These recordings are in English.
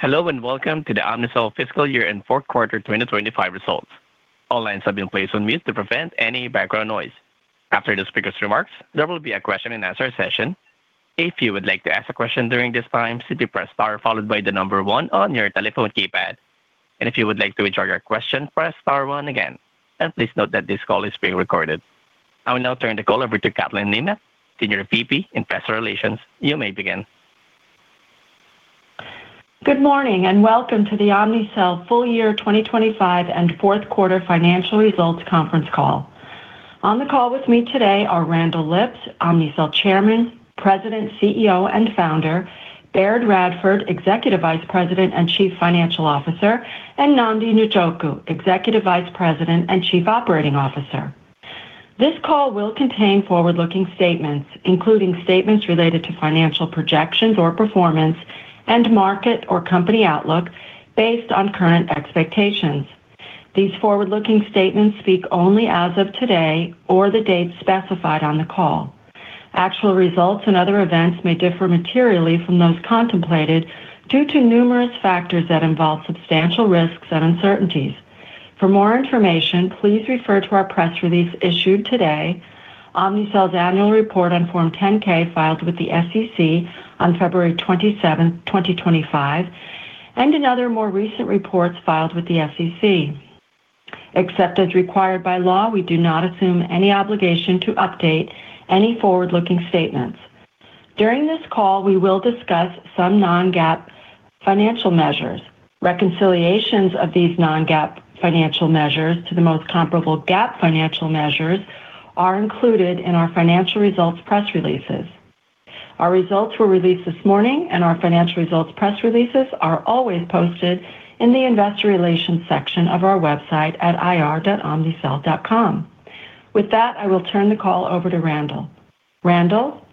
Hello, and welcome to the Omnicell Fiscal Year and Fourth Quarter 2025 results. All lines have been placed on mute to prevent any background noise. After the speaker's remarks, there will be a question-and-answer session. If you would like to ask a question during this time, simply press star, followed by the number one on your telephone keypad. If you would like to withdraw your question, press star one again, and please note that this call is being recorded. I will now turn the call over to Kathleen Nemeth, Senior Vice President, Investor Relations. You may begin. Good morning, and welcome to the Omnicell Full Year 2025 and Fourth Quarter Financial Results Conference Call. On the call with me today are Randall Lipps, Omnicell Chairman, President, CEO, and Founder. Baird Radford, Executive Vice President and Chief Financial Officer. And Nnamdi Njoku, Executive Vice President and Chief Operating Officer. This call will contain forward-looking statements, including statements related to financial projections or performance and market or company outlook, based on current expectations. These forward-looking statements speak only as of today or the date specified on the call. Actual results and other events may differ materially from those contemplated due to numerous factors that involve substantial risks and uncertainties. For more information, please refer to our press release issued today, Omnicell's annual report on Form 10-K, filed with the SEC on February 27, 2025, and in other more recent reports filed with the SEC. Except as required by law, we do not assume any obligation to update any forward-looking statements. During this call, we will discuss some non-GAAP financial measures. Reconciliations of these non-GAAP financial measures to the most comparable GAAP financial measures are included in our financial results press releases. Our results were released this morning, and our financial results press releases are always posted in the investor relations section of our website at ir.omnicell.com. With that, I will turn the call over to Randall. Randall?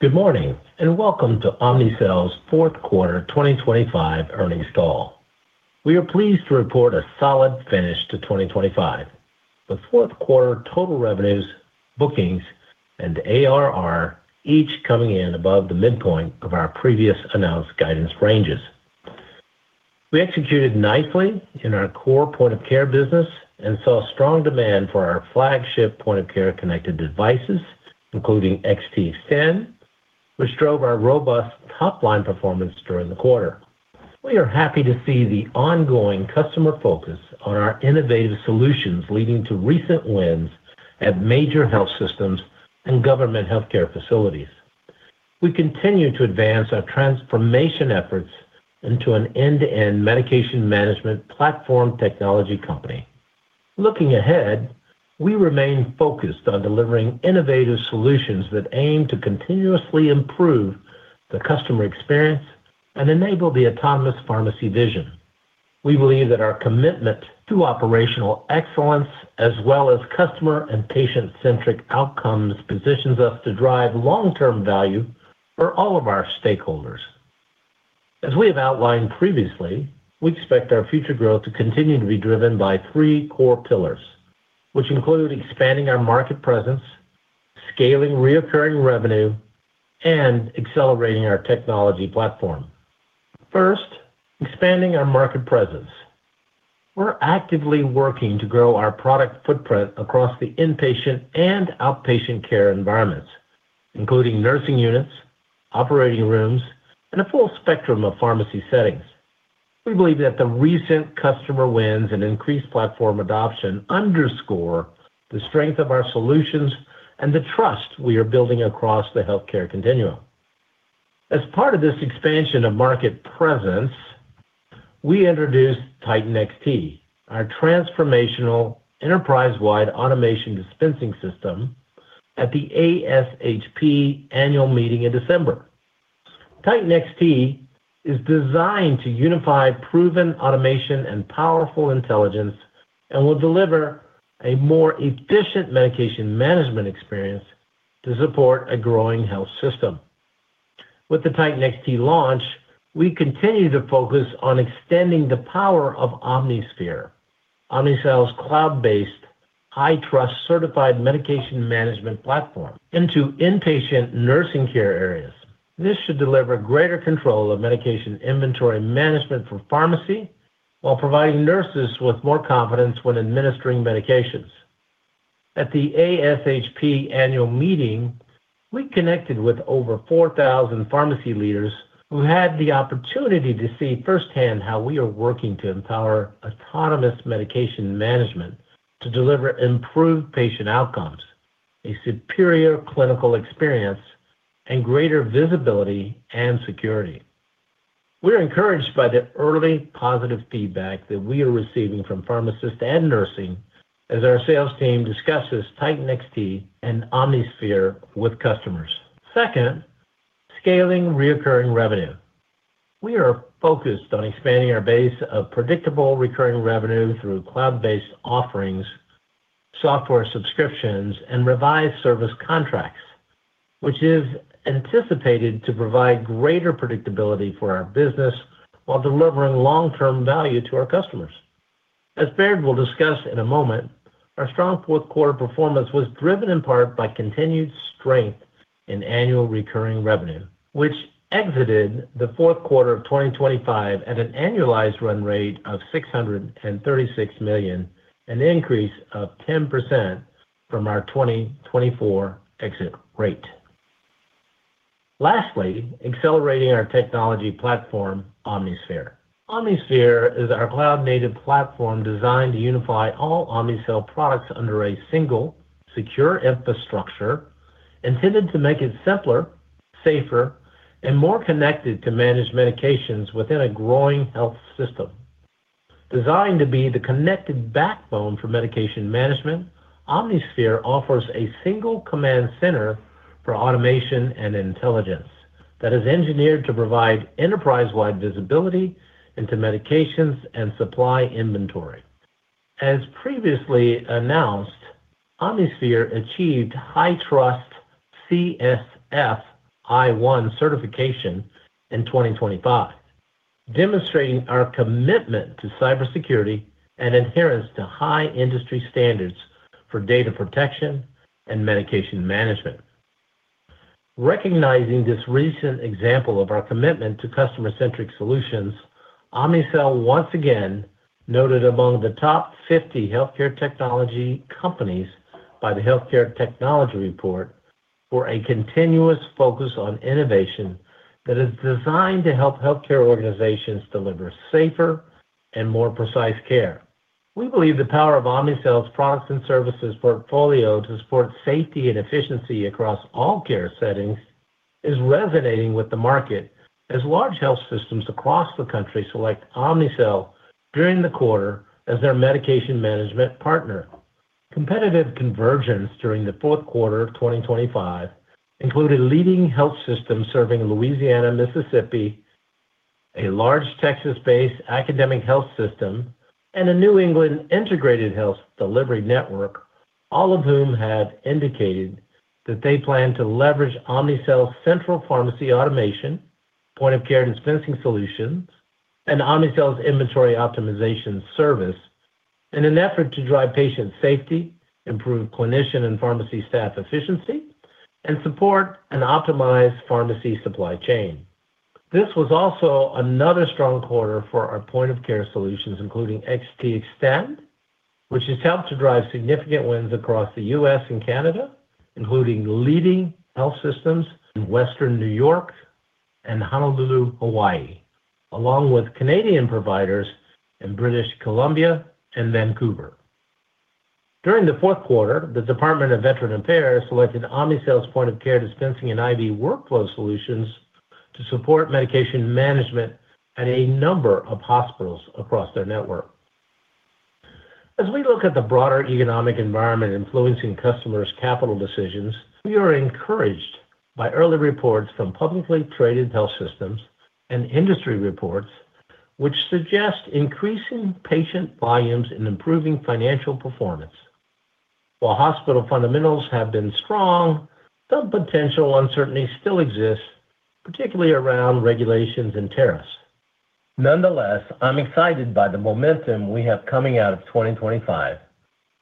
Good morning, and welcome to Omnicell's Fourth Quarter 2025 Earnings Call. We are pleased to report a solid finish to 2025. The fourth quarter total revenues, bookings, and ARR each coming in above the midpoint of our previously announced guidance ranges. We executed nicely in our core point-of-care business and saw strong demand for our flagship point-of-care connected devices, including XT, which drove our robust top-line performance during the quarter. We are happy to see the ongoing customer focus on our innovative solutions, leading to recent wins at major health systems and government healthcare facilities. We continue to advance our transformation efforts into an end-to-end medication management platform technology company. Looking ahead, we remain focused on delivering innovative solutions that aim to continuously improve the customer experience and enable the autonomous pharmacy vision. We believe that our commitment to operational excellence, as well as customer and patient-centric outcomes, positions us to drive long-term value for all of our stakeholders. As we have outlined previously, we expect our future growth to continue to be driven by three core pillars, which include expanding our market presence, scaling recurring revenue, and accelerating our technology platform. First, expanding our market presence. We're actively working to grow our product footprint across the inpatient and outpatient care environments, including nursing units, operating rooms, and a full spectrum of pharmacy settings. We believe that the recent customer wins and increased platform adoption underscore the strength of our solutions and the trust we are building across the healthcare continuum. As part of this expansion of market presence, we introduced Titan XT, our transformational enterprise-wide automated dispensing system at the ASHP annual meeting in December. Titan XT is designed to unify proven automation and powerful intelligence and will deliver a more efficient medication management experience to support a growing health system. With the Titan XT launch, we continue to focus on extending the power of OmniSphere, Omnicell's cloud-based, HITRUST-certified medication management platform, into inpatient nursing care areas. This should deliver greater control of medication inventory management for pharmacy, while providing nurses with more confidence when administering medications. At the ASHP annual meeting, we connected with over 4,000 pharmacy leaders who had the opportunity to see firsthand how we are working to empower autonomous medication management to deliver improved patient outcomes, a superior clinical experience, and greater visibility and security. We're encouraged by the early positive feedback that we are receiving from pharmacists and nursing as our sales team discusses Titan XT and OmniSphere with customers. Second, scaling recurring revenue. We are focused on expanding our base of predictable recurring revenue through cloud-based offerings, software subscriptions, and revised service contracts, which is anticipated to provide greater predictability for our business while delivering long-term value to our customers. As Baird will discuss in a moment, our strong fourth quarter performance was driven in part by continued strength in annual recurring revenue, which exited the fourth quarter of 2025 at an annualized run rate of $636 million, an increase of 10% from our 2024 exit rate. Lastly, accelerating our technology platform, OmniSphere. OmniSphere is our cloud-native platform designed to unify all Omnicell products under a single, secure infrastructure, intended to make it simpler, safer, and more connected to manage medications within a growing health system. Designed to be the connected backbone for medication management, OmniSphere offers a single command center for automation and intelligence that is engineered to provide enterprise-wide visibility into medications and supply inventory. As previously announced, OmniSphere achieved HITRUST CSF i1 certification in 2025, demonstrating our commitment to cybersecurity and adherence to high industry standards for data protection and medication management. Recognizing this recent example of our commitment to customer-centric solutions, Omnicell once again noted among the top 50 healthcare technology companies by The Healthcare Technology Report for a continuous focus on innovation that is designed to help healthcare organizations deliver safer and more precise care. We believe the power of Omnicell's products and services portfolio to support safety and efficiency across all care settings is resonating with the market as large health systems across the country select Omnicell during the quarter as their medication management partner. Competitive convergence during the fourth quarter of 2025 included leading health systems serving Louisiana, Mississippi, a large Texas-based academic health system, and a New England integrated health delivery network, all of whom have indicated that they plan to leverage Omnicell's central pharmacy automation, point of care dispensing solutions, and Omnicell's Inventory Optimization Service in an effort to drive patient safety, improve clinician and pharmacy staff efficiency, and support and optimize pharmacy supply chain. This was also another strong quarter for our point of care solutions, including XT Extend, which has helped to drive significant wins across the U.S. and Canada, including leading health systems in Western New York and Honolulu, Hawaii, along with Canadian providers in British Columbia and Vancouver. During the fourth quarter, the Department of Veterans Affairs selected Omnicell's point of care dispensing and IV workflow solutions to support medication management at a number of hospitals across their network. As we look at the broader economic environment influencing customers' capital decisions, we are encouraged by early reports from publicly traded health systems and industry reports, which suggest increasing patient volumes and improving financial performance. While hospital fundamentals have been strong, some potential uncertainty still exists, particularly around regulations and tariffs. Nonetheless, I'm excited by the momentum we have coming out of 2025,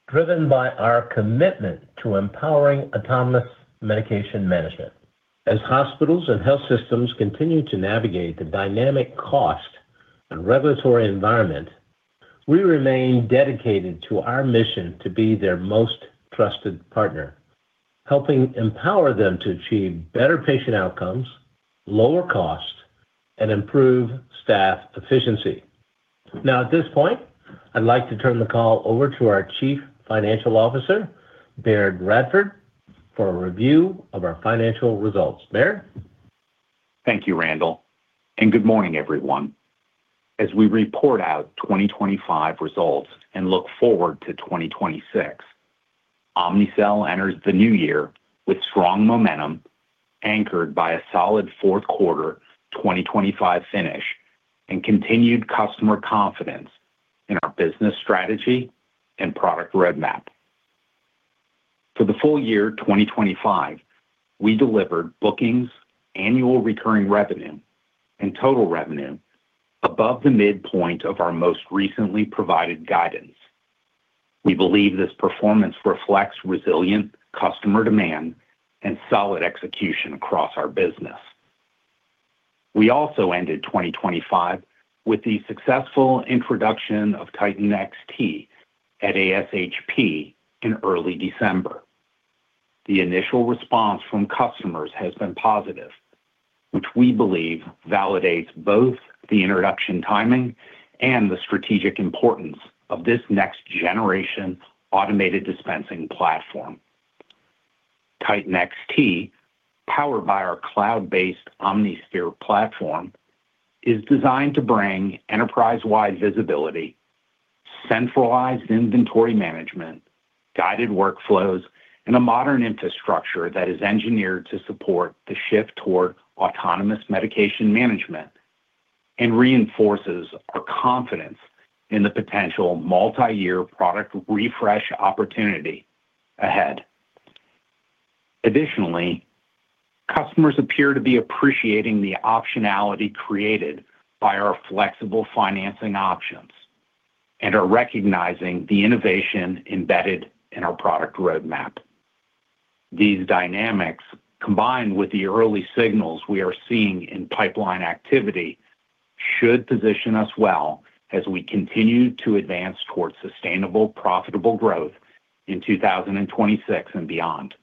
driven by our commitment to empowering autonomous medication management. As hospitals and health systems continue to navigate the dynamic cost and regulatory environment, we remain dedicated to our mission to be their most trusted partner, helping empower them to achieve better patient outcomes, lower costs, and improve staff efficiency. Now, at this point, I'd like to turn the call over to our Chief Financial Officer, Baird Radford, for a review of our financial results. Baird? Thank you, Randall, and good morning, everyone. As we report out 2025 results and look forward to 2026, Omnicell enters the new year with strong momentum, anchored by a solid fourth quarter 2025 finish and continued customer confidence in our business strategy and product roadmap. For the full year 2025, we delivered bookings, annual recurring revenue, and total revenue above the midpoint of our most recently provided guidance. We believe this performance reflects resilient customer demand and solid execution across our business. We also ended 2025 with the successful introduction of Titan XT at ASHP in early December. The initial response from customers has been positive, which we believe validates both the introduction timing and the strategic importance of this next-generation automated dispensing platform. Titan XT, powered by our cloud-based OmniSphere platform, is designed to bring enterprise-wide visibility, centralized inventory management, guided workflows, and a modern infrastructure that is engineered to support the shift toward autonomous medication management and reinforces our confidence in the potential multi-year product refresh opportunity ahead. Additionally, customers appear to be appreciating the optionality created by our flexible financing options and are recognizing the innovation embedded in our product roadmap. These dynamics, combined with the early signals we are seeing in pipeline activity, should position us well as we continue to advance toward sustainable, profitable growth in 2026 and beyond.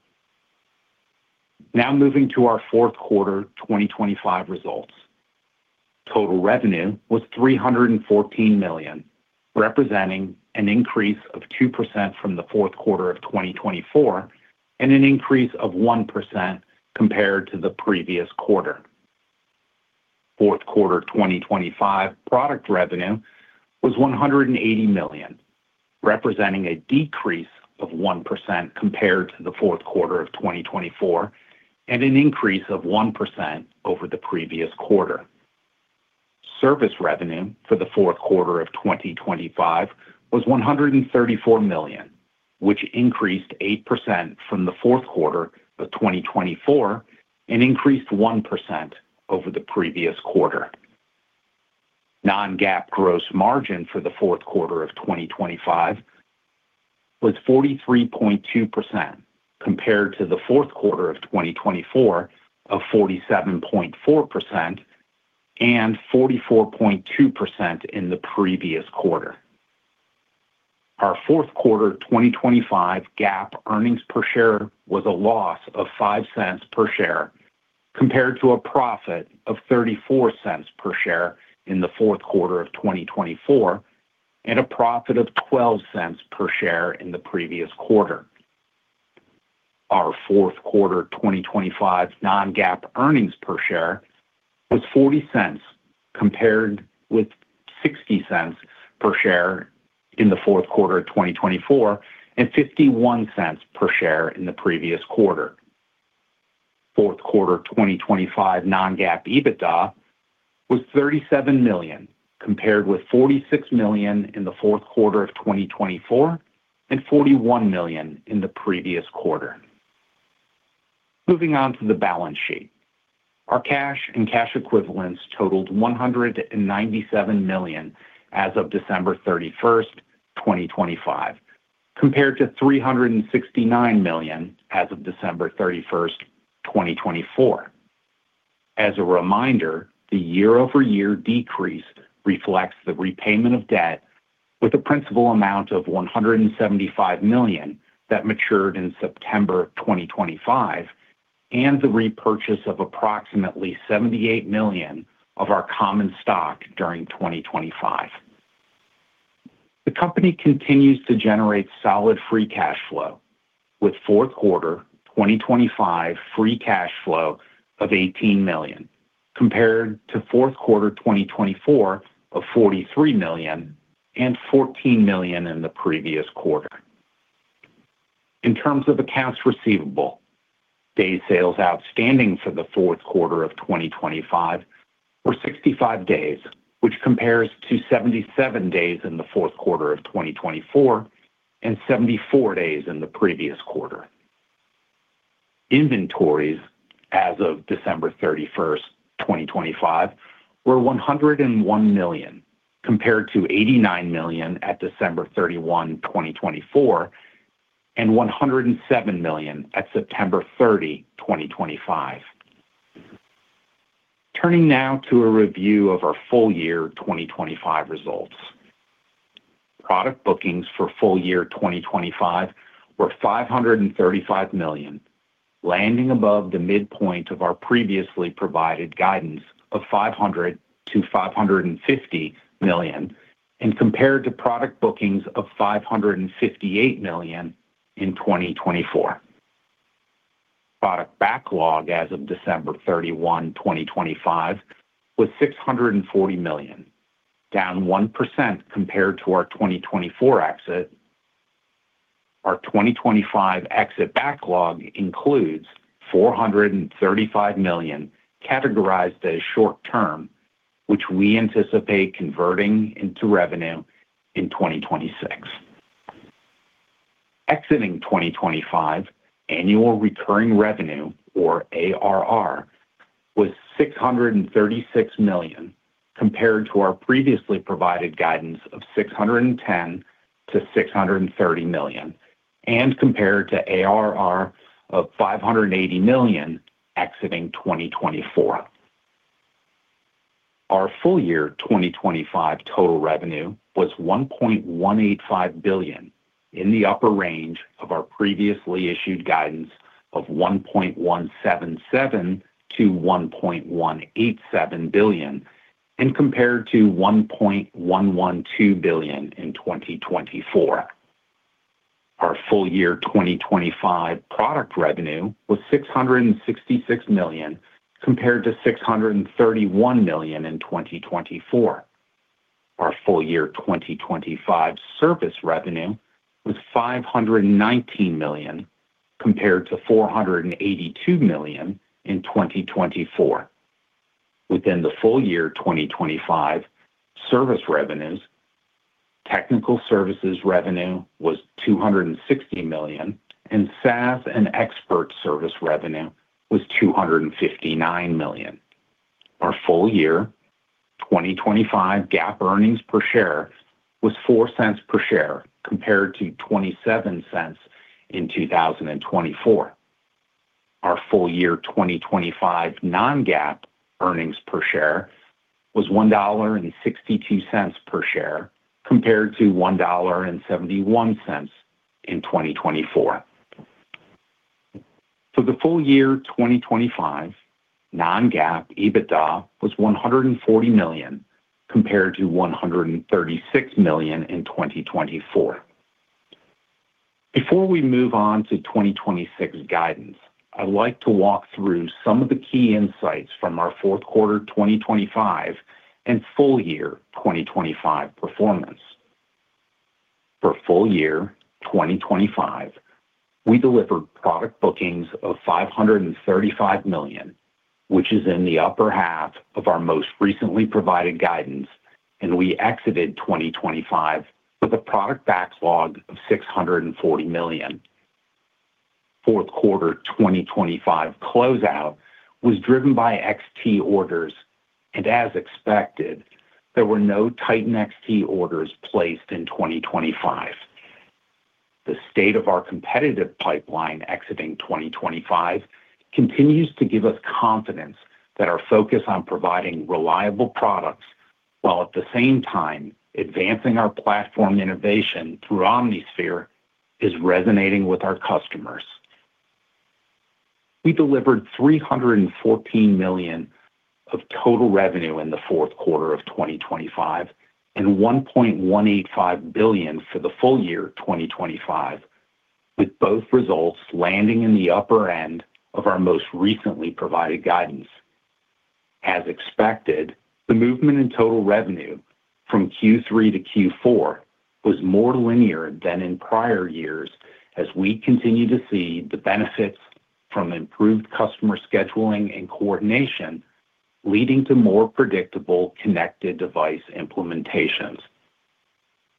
Now moving to our fourth quarter 2025 results. Total revenue was $314 million, representing an increase of 2% from the fourth quarter of 2024 and an increase of 1% compared to the previous quarter. Fourth quarter 2025 product revenue was $180 million, representing a decrease of 1% compared to the fourth quarter of 2024 and an increase of 1% over the previous quarter. Service revenue for the fourth quarter of 2025 was $134 million, which increased 8% from the fourth quarter of 2024 and increased 1% over the previous quarter. Non-GAAP gross margin for the fourth quarter of 2025 was 43.2%, compared to the fourth quarter of 2024 of 47.4% and 44.2% in the previous quarter. Our fourth quarter 2025 GAAP earnings per share was a loss of $0.05 per share, compared to a profit of $0.34 per share in the fourth quarter of 2024 and a profit of $0.12 per share in the previous quarter. Our fourth quarter 2025 non-GAAP earnings per share was $0.40, compared with $0.60 per share in the fourth quarter of 2024 and $0.51 per share in the previous quarter. Fourth quarter 2025 non-GAAP EBITDA was $37 million, compared with $46 million in the fourth quarter of 2024 and $41 million in the previous quarter. Moving on to the balance sheet. Our cash and cash equivalents totaled $197 million as of December 31, 2025, compared to $369 million as of December 31, 2024. As a reminder, the year-over-year decrease reflects the repayment of debt with a principal amount of $175 million that matured in September of 2025, and the repurchase of approximately $78 million of our common stock during 2025. The company continues to generate solid free cash flow, with fourth quarter 2025 free cash flow of $18 million, compared to fourth quarter 2024 of $43 million and $14 million in the previous quarter. In terms of accounts receivable, day sales outstanding for the fourth quarter of 2025 were 65 days, which compares to 77 days in the fourth quarter of 2024 and 74 days in the previous quarter. Inventories as of December 31, 2025, were $101 million, compared to $89 million at December 31, 2024, and $107 million at September 30, 2025. Turning now to a review of our full year 2025 results. Product bookings for full year 2025 were $535 million, landing above the midpoint of our previously provided guidance of $500 million-$550 million, and compared to product bookings of $558 million in 2024. Product backlog as of December 31, 2025, was $640 million, down 1% compared to our 2024 exit. Our 2025 exit backlog includes $435 million, categorized as short-term, which we anticipate converting into revenue in 2026. Exiting 2025, annual recurring revenue, or ARR, was $636 million, compared to our previously provided guidance of $610 million-$630 million, and compared to ARR of $580 million exiting 2024. Our full year 2025 total revenue was $1.185 billion, in the upper range of our previously issued guidance of $1.177 billion-$1.187 billion, and compared to $1.112 billion in 2024. Our full year 2025 product revenue was $666 million, compared to $631 million in 2024. Our full year 2025 service revenue was $519 million, compared to $482 million in 2024. Within the full year 2025, service revenues, technical services revenue was $260 million, and SaaS and expert service revenue was $259 million. Our full year 2025 GAAP earnings per share was $0.04 per share, compared to $0.27 in 2024. Our full year 2025 non-GAAP earnings per share was $1.62 per share, compared to $1.71 in 2024. For the full year 2025, non-GAAP EBITDA was $140 million, compared to $136 million in 2024. Before we move on to 2026 guidance, I'd like to walk through some of the key insights from our fourth quarter 2025 and full year 2025 performance. For full year 2025, we delivered product bookings of $535 million, which is in the upper half of our most recently provided guidance, and we exited 2025 with a product backlog of $640 million. Fourth quarter 2025 closeout was driven by XT orders, and as expected, there were no Titan XT orders placed in 2025. The state of our competitive pipeline exiting 2025 continues to give us confidence that our focus on providing reliable products, while at the same time advancing our platform innovation through OmniSphere, is resonating with our customers. We delivered $314 million of total revenue in the fourth quarter of 2025 and $1.185 billion for the full year 2025, with both results landing in the upper end of our most recently provided guidance. As expected, the movement in total revenue from Q3 to Q4 was more linear than in prior years, as we continue to see the benefits from improved customer scheduling and coordination, leading to more predictable connected device implementations.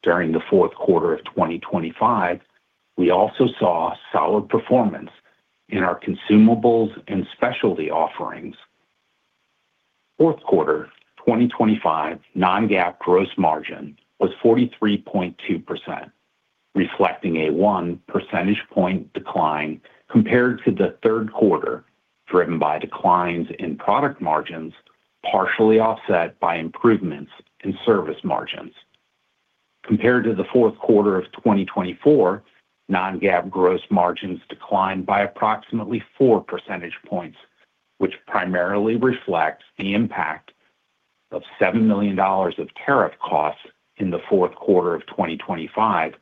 During the fourth quarter of 2025, we also saw solid performance in our consumables and specialty offerings. Fourth quarter 2025 non-GAAP gross margin was 43.2%, reflecting a 1 percentage point decline compared to the third quarter, driven by declines in product margins, partially offset by improvements in service margins. Compared to the fourth quarter of 2024, non-GAAP gross margins declined by approximately 4 percentage points, which primarily reflects the impact of $7 million of tariff costs in the fourth quarter of 2025,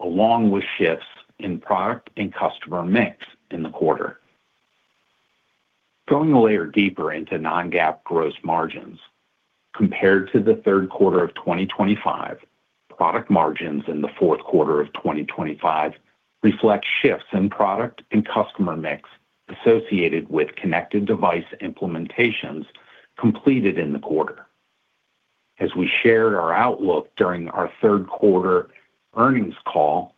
along with shifts in product and customer mix in the quarter. Going a layer deeper into non-GAAP gross margins, compared to the third quarter of 2025, product margins in the fourth quarter of 2025 reflect shifts in product and customer mix associated with connected device implementations completed in the quarter. As we shared our outlook during our third quarter earnings call,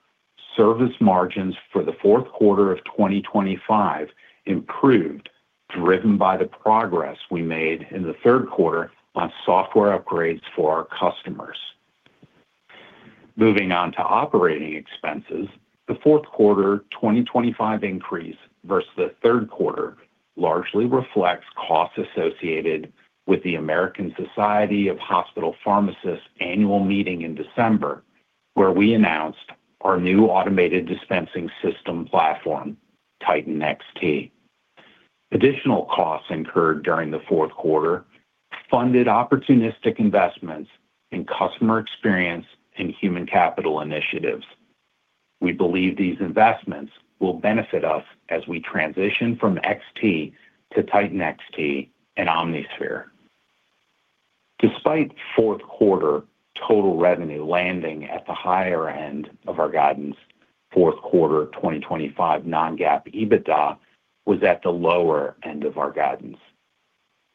service margins for the fourth quarter of 2025 improved, driven by the progress we made in the third quarter on software upgrades for our customers. Moving on to operating expenses, the fourth quarter 2025 increase versus the third quarter largely reflects costs associated with the American Society of Health-System Pharmacists annual meeting in December, where we announced our new automated dispensing system platform, Titan XT. Additional costs incurred during the fourth quarter funded opportunistic investments in customer experience and human capital initiatives. We believe these investments will benefit us as we transition from XT to Titan XT and OmniSphere. Despite fourth quarter total revenue landing at the higher end of our guidance, fourth quarter 2025 non-GAAP EBITDA was at the lower end of our guidance.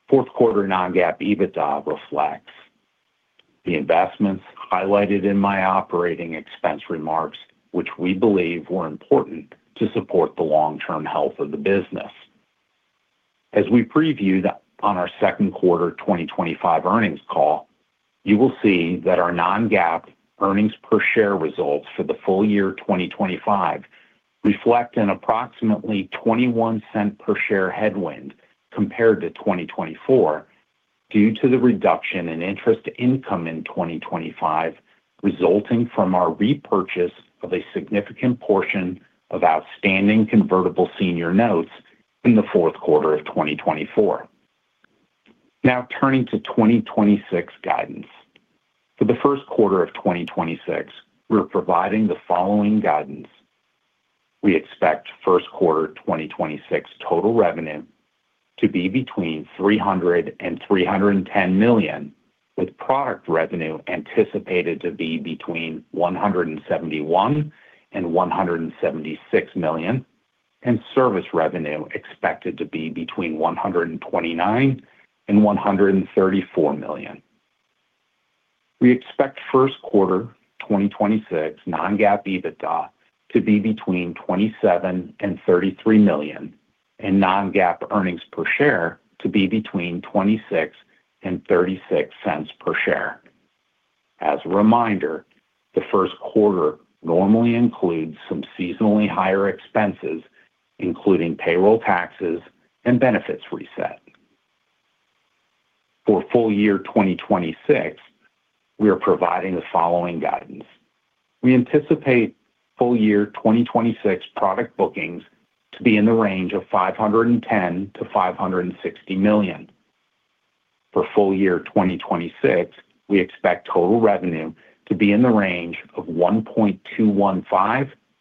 Fourth quarter non-GAAP EBITDA reflects the investments highlighted in my operating expense remarks, which we believe were important to support the long-term health of the business. As we previewed on our second quarter 2025 earnings call, you will see that our non-GAAP earnings per share results for the full year 2025 reflect an approximately $0.21 per share headwind compared to 2024, due to the reduction in interest income in 2025, resulting from our repurchase of a significant portion of outstanding convertible senior notes in the fourth quarter of 2024. Now, turning to 2026 guidance. For the first quarter of 2026, we're providing the following guidance: We expect first quarter 2026 total revenue to be between $300 million-$310 million, with product revenue anticipated to be between $171 million-$176 million. Service revenue expected to be between $129 million and $134 million. We expect first quarter 2026 non-GAAP EBITDA to be between $27 million and $33 million, and non-GAAP earnings per share to be between $0.26 and $0.36 per share. As a reminder, the first quarter normally includes some seasonally higher expenses, including payroll taxes and benefits reset. For full year 2026, we are providing the following guidance. We anticipate full year 2026 product bookings to be in the range of $510 million-$560 million. For full year 2026, we expect total revenue to be in the range of $1.215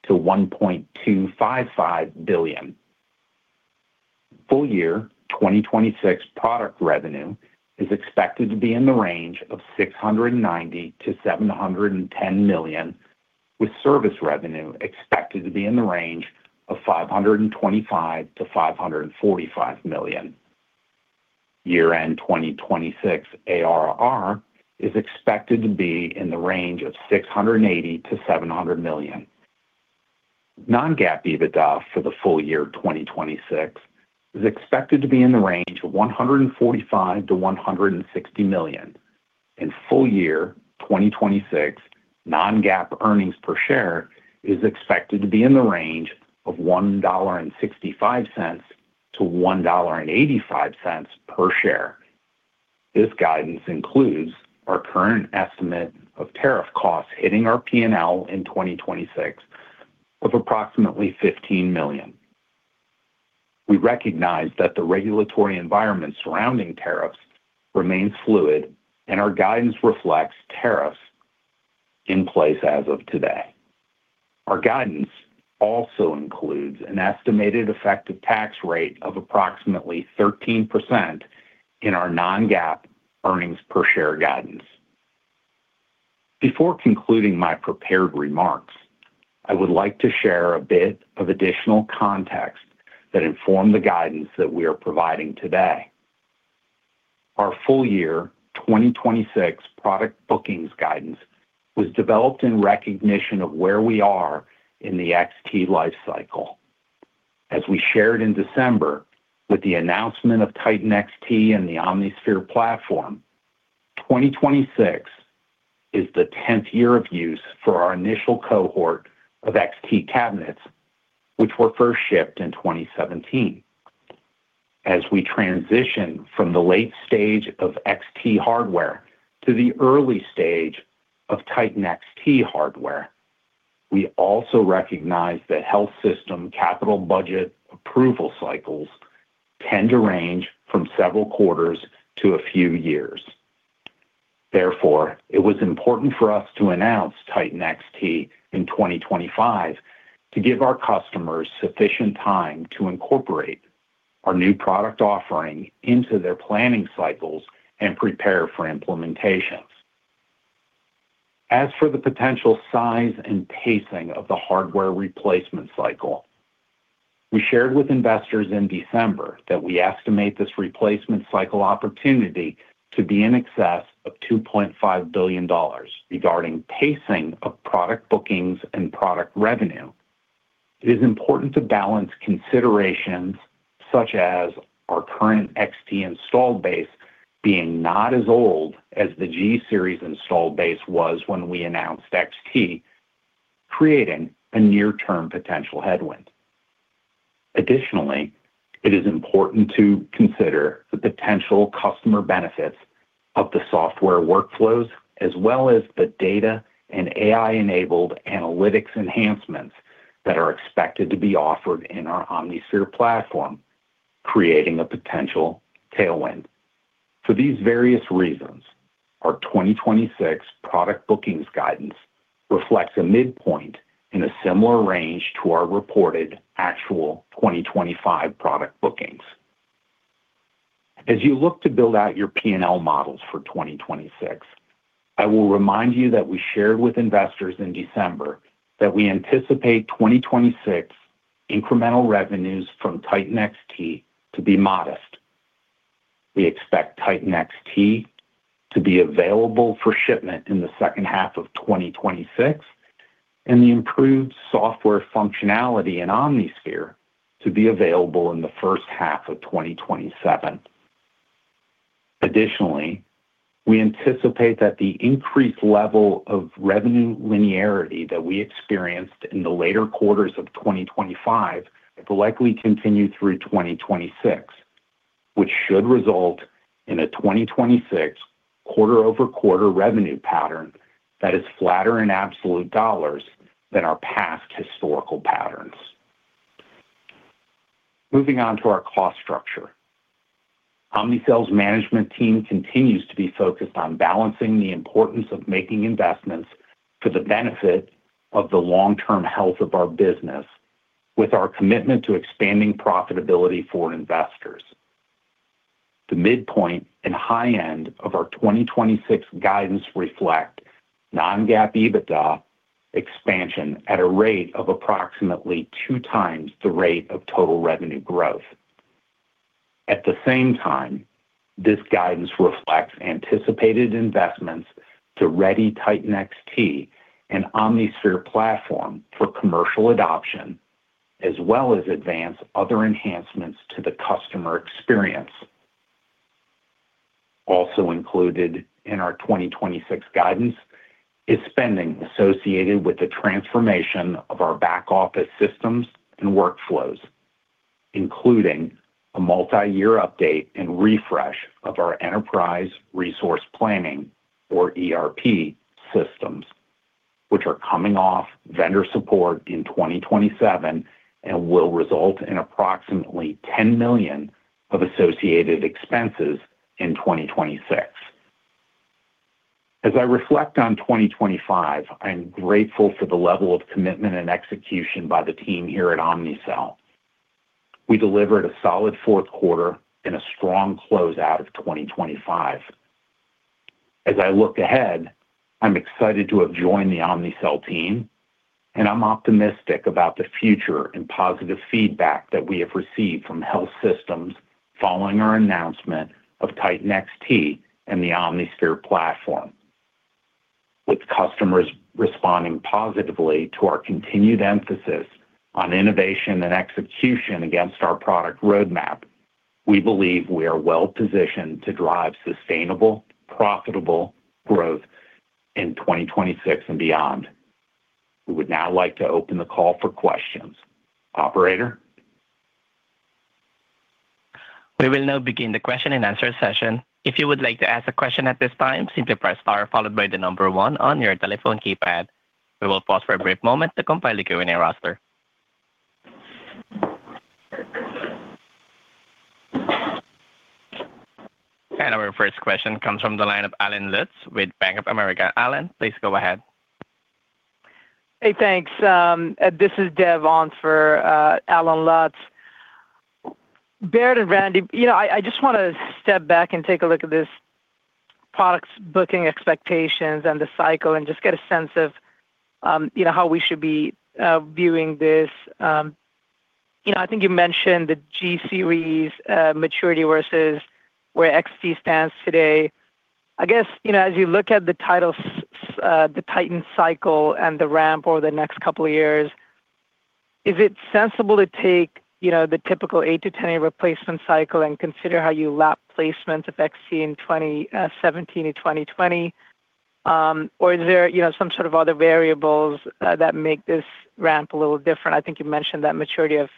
billion-$1.255 billion. Full year 2026 product revenue is expected to be in the range of $690 million-$710 million, with service revenue expected to be in the range of $525 million-$545 million. Year-end 2026 ARR is expected to be in the range of $680 million-$700 million. Non-GAAP EBITDA for the full year 2026 is expected to be in the range of $145 million-$160 million, and full year 2026 non-GAAP earnings per share is expected to be in the range of $1.65-$1.85 per share. This guidance includes our current estimate of tariff costs hitting our P&L in 2026 of approximately $15 million. We recognize that the regulatory environment surrounding tariffs remains fluid, and our guidance reflects tariffs in place as of today. Our guidance also includes an estimated effective tax rate of approximately 13% in our non-GAAP earnings per share guidance. Before concluding my prepared remarks, I would like to share a bit of additional context that informed the guidance that we are providing today. Our full year 2026 product bookings guidance was developed in recognition of where we are in the XT life cycle. As we shared in December with the announcement of Titan XT and the OmniSphere platform, 2026 is the tenth year of use for our initial cohort of XT cabinets, which were first shipped in 2017. As we transition from the late stage of XT hardware to the early stage of Titan XT hardware, we also recognize that health system capital budget approval cycles tend to range from several quarters to a few years. Therefore, it was important for us to announce Titan XT in 2025 to give our customers sufficient time to incorporate our new product offering into their planning cycles and prepare for implementations. As for the potential size and pacing of the hardware replacement cycle, we shared with investors in December that we estimate this replacement cycle opportunity to be in excess of $2.5 billion regarding pacing of product bookings and product revenue. It is important to balance considerations such as our current XT installed base being not as old as the G-Series installed base was when we announced XT, creating a near-term potential headwind. Additionally, it is important to consider the potential customer benefits of the software workflows, as well as the data and AI-enabled analytics enhancements that are expected to be offered in our OmniSphere platform, creating a potential tailwind. For these various reasons, our 2026 product bookings guidance reflects a midpoint in a similar range to our reported actual 2025 product bookings. As you look to build out your P&L models for 2026, I will remind you that we shared with investors in December that we anticipate 2026 incremental revenues from Titan XT to be modest. We expect Titan XT to be available for shipment in the second half of 2026, and the improved software functionality in OmniSphere to be available in the first half of 2027. Additionally, we anticipate that the increased level of revenue linearity that we experienced in the later quarters of 2025 will likely continue through 2026, which should result in a 2026 quarter-over-quarter revenue pattern that is flatter in absolute dollars than our past historical patterns. Moving on to our cost structure. Omnicell's management team continues to be focused on balancing the importance of making investments for the benefit of the long-term health of our business with our commitment to expanding profitability for investors. The midpoint and high end of our 2026 guidance reflect non-GAAP EBITDA expansion at a rate of approximately 2x the rate of total revenue growth. At the same time, this guidance reflects anticipated investments to ready Titan XT and OmniSphere platform for commercial adoption, as well as advance other enhancements to the customer experience. Also included in our 2026 guidance is spending associated with the transformation of our back office systems and workflows, including a multi-year update and refresh of our enterprise resource planning or ERP systems, which are coming off vendor support in 2027 and will result in approximately $10 million of associated expenses in 2026. As I reflect on 2025, I'm grateful for the level of commitment and execution by the team here at Omnicell. We delivered a solid fourth quarter and a strong closeout of 2025. As I look ahead, I'm excited to have joined the Omnicell team, and I'm optimistic about the future and positive feedback that we have received from health systems following our announcement of Titan XT and the OmniSphere platform. With customers responding positively to our continued emphasis on innovation and execution against our product roadmap, we believe we are well-positioned to drive sustainable, profitable growth in 2026 and beyond. We would now like to open the call for questions. Operator? We will now begin the question-and-answer session. If you would like to ask a question at this time, simply press Star, followed by the number 1 on your telephone keypad. We will pause for a brief moment to compile the Q&A roster. Our first question comes from the line of Allen Lutz with Bank of America. Alan, please go ahead. Hey, thanks. This is Dev on for Allen Lutz. Baird and Randy, you know, I just wanna step back and take a look at this products booking expectations and the cycle and just get a sense of, you know, how we should be viewing this. You know, I think you mentioned the G-Series maturity versus where XT stands today. I guess, you know, as you look at the Titan cycle and the ramp over the next couple of years, is it sensible to take, you know, the typical 8-10 replacement cycle and consider how you lap placements of XT in 2017 to 2020? Or is there, you know, some sort of other variables that make this ramp a little different? I think you mentioned that maturity of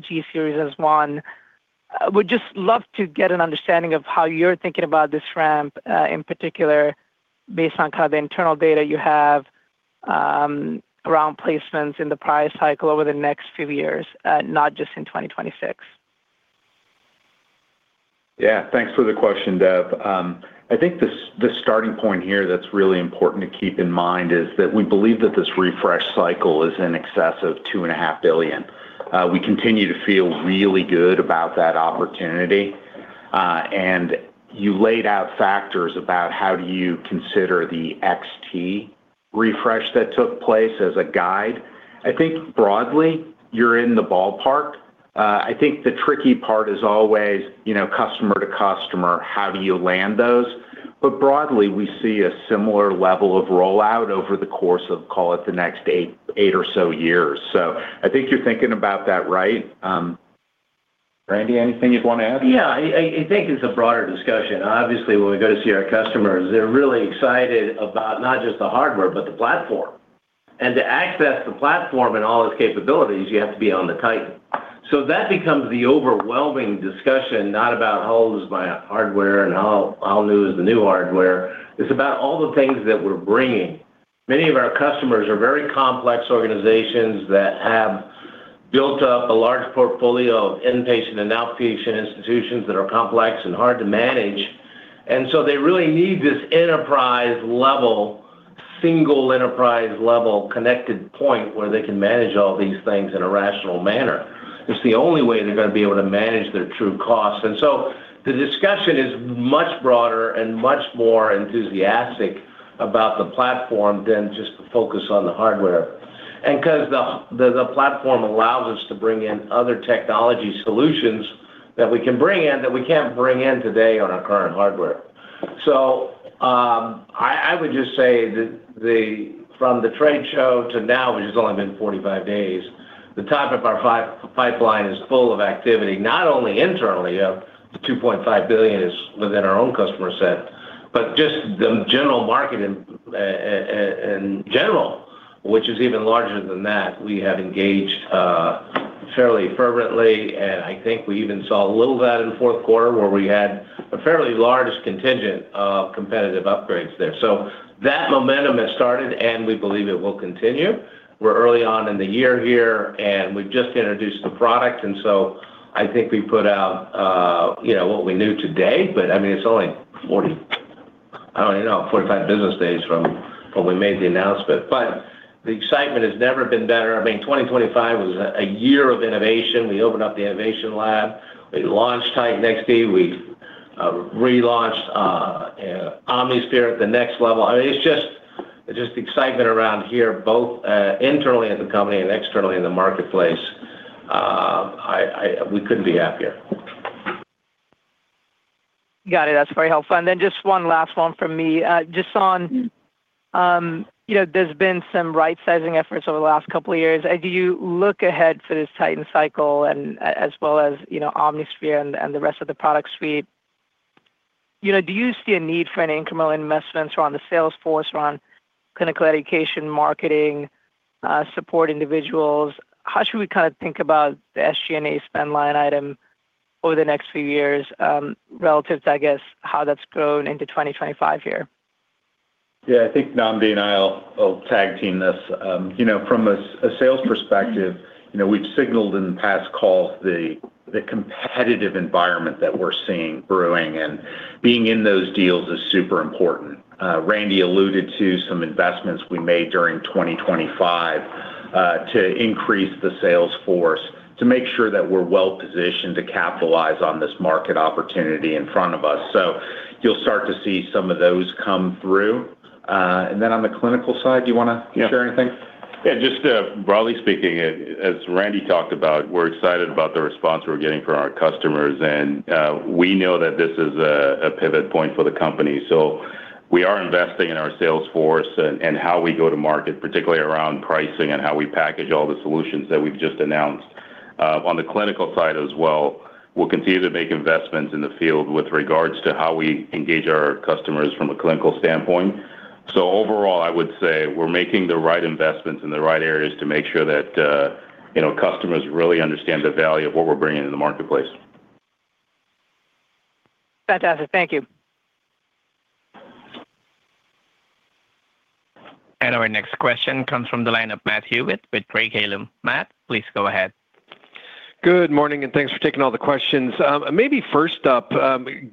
G-Series as one. I would just love to get an understanding of how you're thinking about this ramp in particular, based on kind of the internal data you have around placements in the price cycle over the next few years, not just in 2026. Yeah, thanks for the question, Dev. I think the starting point here that's really important to keep in mind is that we believe that this refresh cycle is in excess of $2.5 billion. We continue to feel really good about that opportunity. And you laid out factors about how do you consider the XT refresh that took place as a guide. I think broadly, you're in the ballpark. I think the tricky part is always, you know, customer to customer, how do you land those? But broadly, we see a similar level of rollout over the course of, call it, the next 8, 8 or so years. So I think you're thinking about that right. Randy, anything you'd want to add? Yeah, I think it's a broader discussion. Obviously, when we go to see our customers, they're really excited about not just the hardware, but the platform. To access the platform and all its capabilities, you have to be on the Titan. That becomes the overwhelming discussion, not about how old is my hardware and how new is the new hardware? It's about all the things that we're bringing. Many of our customers are very complex organizations that have built up a large portfolio of inpatient and outpatient institutions that are complex and hard to manage, and so they really need this enterprise level, single enterprise level connected point where they can manage all these things in a rational manner. It's the only way they're gonna be able to manage their true costs. And so the discussion is much broader and much more enthusiastic about the platform than just the focus on the hardware. And because the platform allows us to bring in other technology solutions that we can bring in, that we can't bring in today on our current hardware. So, I would just say that from the trade show to now, which has only been 45 days, the top of our pipeline is full of activity, not only internally, the $2.5 billion is within our own customer set, but just the general market in general, which is even larger than that. We have engaged fairly fervently, and I think we even saw a little of that in the fourth quarter, where we had a fairly large contingent of competitive upgrades there. So that momentum has started, and we believe it will continue. We're early on in the year here, and we've just introduced the product, and so I think we put out, you know, what we knew today, but I mean, it's only 40- I don't even know 45 business days from when we made the announcement. But the excitement has never been better. I mean, 2025 was a year of innovation. We opened up the innovation lab, we launched Titan XT, we relaunched OmniSphere at the next level. I mean, it's just excitement around here, both internally in the company and externally in the marketplace. We couldn't be happier. Got it. That's very helpful. And then just one last one from me. Just on, you know, there's been some right-sizing efforts over the last couple of years. As you look ahead for this Titan cycle and as well as, you know, OmniSphere and the rest of the product suite, you know, do you see a need for any incremental investments around the sales force, around clinical education, marketing, support individuals? How should we kind of think about the SG&A spend line item over the next few years, relative to, I guess, how that's grown into 2025 here? Yeah, I think Nnamdi and I'll tag team this. You know, from a sales perspective, you know, we've signaled in the past calls the competitive environment that we're seeing brewing, and being in those deals is super important. Randy alluded to some investments we made during 2025 to increase the sales force, to make sure that we're well-positioned to capitalize on this market opportunity in front of us. So you'll start to see some of those come through. And then on the clinical side, do you wanna- Yeah. - share anything? Yeah, just broadly speaking, as Randy talked about, we're excited about the response we're getting from our customers, and we know that this is a pivot point for the company. So we are investing in our sales force and how we go to market, particularly around pricing and how we package all the solutions that we've just announced. On the clinical side as well, we'll continue to make investments in the field with regards to how we engage our customers from a clinical standpoint. So overall, I would say we're making the right investments in the right areas to make sure that, you know, customers really understand the value of what we're bringing to the marketplace. Fantastic. Thank you. Our next question comes from the line of Matt Hewitt with Craig-Hallum. Matt, please go ahead. Good morning, and thanks for taking all the questions. Maybe first up,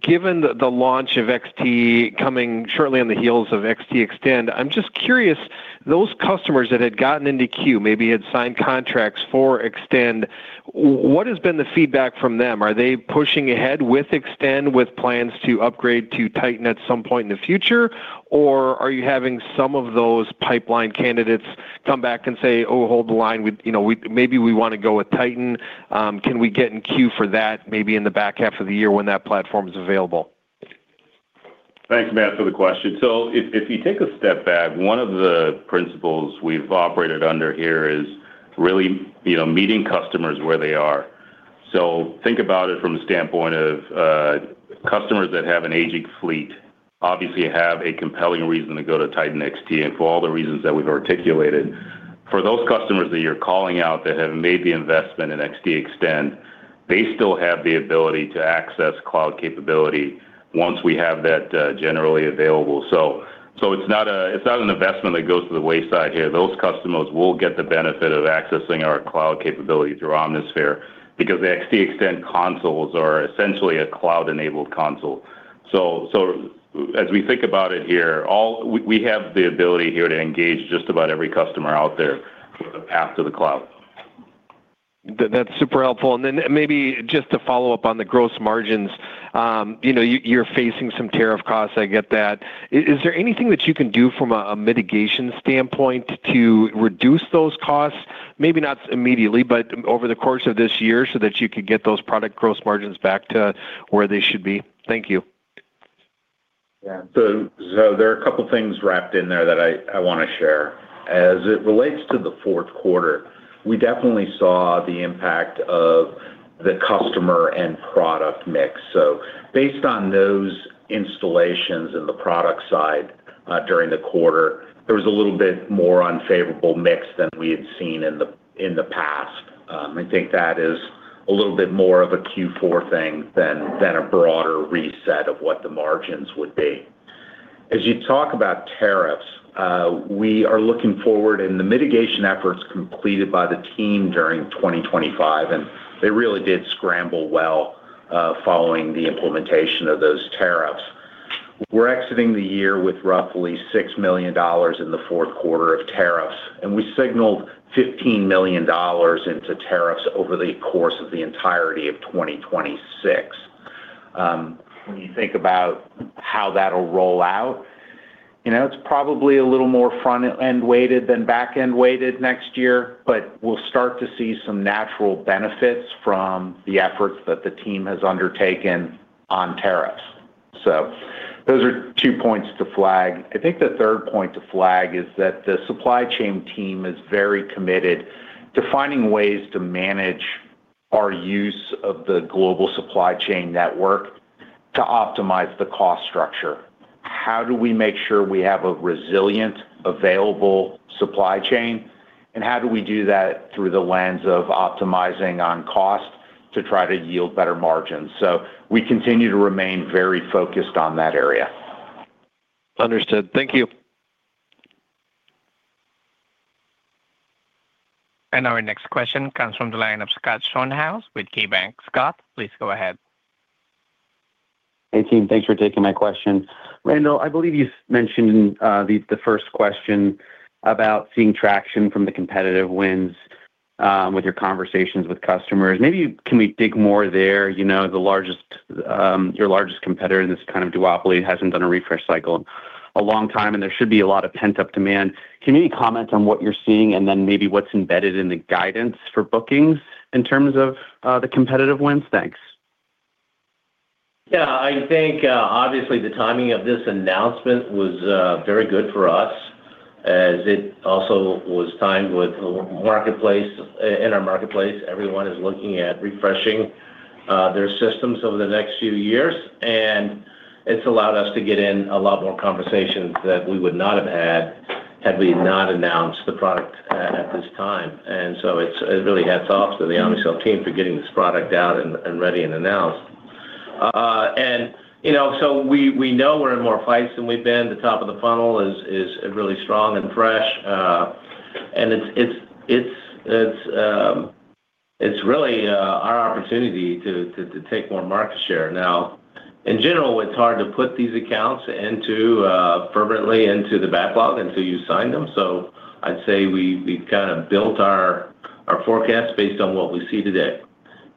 given the launch of XT coming shortly on the heels of XT Extend, I'm just curious, those customers that had gotten into queue, maybe had signed contracts for Extend, what has been the feedback from them? Are they pushing ahead with Extend, with plans to upgrade to Titan at some point in the future? Or are you having some of those pipeline candidates come back and say, "Oh, hold the line, with, you know, maybe we wanna go with Titan. Can we get in queue for that, maybe in the back half of the year when that platform is available? Thanks, Matt, for the question. So if you take a step back, one of the principles we've operated under here is really, you know, meeting customers where they are. So think about it from the standpoint of, customers that have an aging fleet, obviously have a compelling reason to go to Titan XT, and for all the reasons that we've articulated. For those customers that you're calling out that have made the investment in XT Extend, they still have the ability to access cloud capability once we have that, generally available. So, so it's not- it's not an investment that goes to the wayside here. Those customers will get the benefit of accessing our cloud capability through OmniSphere, because the XT Extend consoles are essentially a cloud-enabled console. So as we think about it here, we have the ability here to engage just about every customer out there with a path to the cloud. That, that's super helpful. And then maybe just to follow up on the gross margins, you know, you, you're facing some tariff costs, I get that. Is there anything that you can do from a, a mitigation standpoint to reduce those costs? Maybe not immediately, but over the course of this year, so that you could get those product gross margins back to where they should be. Thank you. Yeah. So there are a couple of things wrapped in there that I wanna share. As it relates to the fourth quarter, we definitely saw the impact of the customer and product mix. So based on those installations in the product side during the quarter, there was a little bit more unfavorable mix than we had seen in the past. I think that is a little bit more of a Q4 thing than a broader reset of what the margins would be. As you talk about tariffs, we are looking forward, and the mitigation efforts completed by the team during 2025, and they really did scramble well following the implementation of those tariffs. We're exiting the year with roughly $6 million in the fourth quarter of tariffs, and we signaled $15 million into tariffs over the course of the entirety of 2026. When you think about how that'll roll out, you know, it's probably a little more front-end weighted than back-end weighted next year, but we'll start to see some natural benefits from the efforts that the team has undertaken on tariffs. So those are two points to flag. I think the third point to flag is that the supply chain team is very committed to finding ways to manage our use of the global supply chain network to optimize the cost structure. How do we make sure we have a resilient, available supply chain? And how do we do that through the lens of optimizing on cost to try to yield better margins? We continue to remain very focused on that area. Understood. Thank you. Our next question comes from the line of Scott Schoenhaus with KeyBanc. Scott, please go ahead. Hey, team. Thanks for taking my question. Randall, I believe you mentioned the first question about seeing traction from the competitive wins with your conversations with customers. Maybe can we dig more there? You know, the largest, your largest competitor in this kind of duopoly hasn't done a refresh cycle in a long time, and there should be a lot of pent-up demand. Can you comment on what you're seeing and then maybe what's embedded in the guidance for bookings in terms of the competitive wins? Thanks. Yeah, I think, obviously, the timing of this announcement was very good for us, as it also was timed with the marketplace. In our marketplace, everyone is looking at refreshing their systems over the next few years, and it's allowed us to get in a lot more conversations that we would not have had, had we not announced the product at this time. And so it's, it really hats off to the Omnicell team for getting this product out and ready and announced. And, you know, so we know we're in more fights than we've been. The top of the funnel is really strong and fresh, and it's really our opportunity to take more market share. Now, in general, it's hard to put these accounts into permanently into the backlog until you sign them. So I'd say we've kinda built our forecast based on what we see today.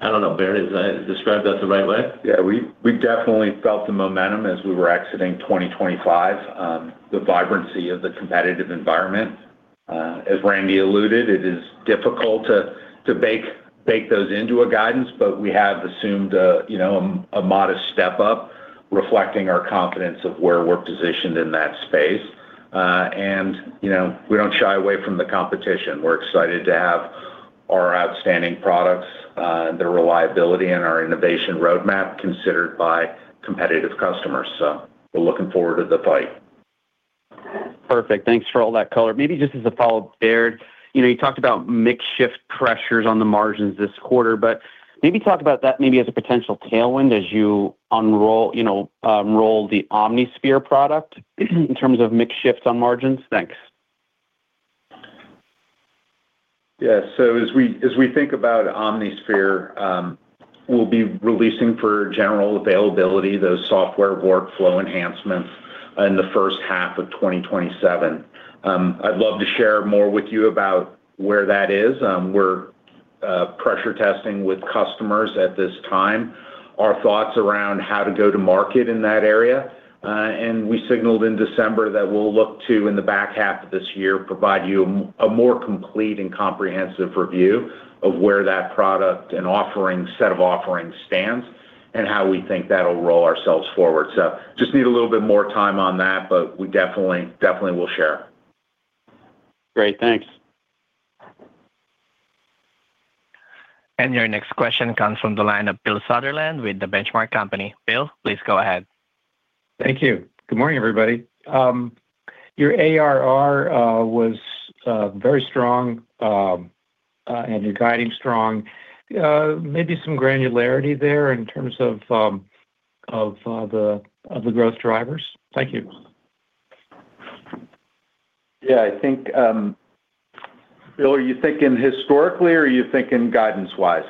I don't know, Baird, does that describe that the right way? Yeah, we definitely felt the momentum as we were exiting 2025, the vibrancy of the competitive environment. As Randy alluded, it is difficult to bake those into a guidance, but we have assumed a, you know, a modest step up, reflecting our confidence of where we're positioned in that space. And, you know, we don't shy away from the competition. We're excited to have our outstanding products, their reliability and our innovation roadmap considered by competitive customers, so we're looking forward to the fight. Perfect. Thanks for all that color. Maybe just as a follow-up, Baird, you know, you talked about mix shift pressures on the margins this quarter, but maybe talk about that maybe as a potential tailwind as you unroll, you know, unroll the OmniSphere product in terms of mix shifts on margins. Thanks. Yeah. So as we think about OmniSphere, we'll be releasing for general availability those software workflow enhancements in the first half of 2027. I'd love to share more with you about where that is. We're pressure testing with customers at this time, our thoughts around how to go to market in that area. And we signaled in December that we'll look to, in the back half of this year, provide you a more complete and comprehensive review of where that product and offering, set of offerings stands, and how we think that'll roll ourselves forward. So just need a little bit more time on that, but we definitely, definitely will share. Great. Thanks. Your next question comes from the line of Bill Sutherland with The Benchmark Company. Bill, please go ahead. Thank you. Good morning, everybody. Your ARR was very strong, and you're guiding strong. Maybe some granularity there in terms of the growth drivers. Thank you. Yeah, I think. Bill, are you thinking historically or are you thinking guidance-wise?